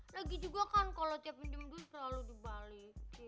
lagi juga kan kalo tiap minjem duit selalu dibalikin